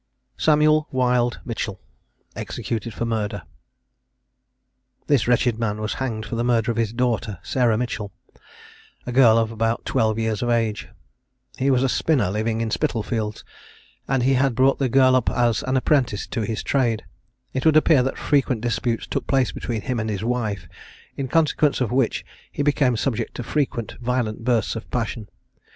SAMUEL WILD MITCHELL. EXECUTED FOR MURDER. This wretched man was hanged for the murder of his daughter, Sarah Mitchell, a girl about twelve years of age. He was a spinner living in Spitalfields, and he had brought the girl up as an apprentice to his trade. It would appear that frequent disputes took place between him and his wife, in consequence of which he became subject to frequent violent bursts of passion.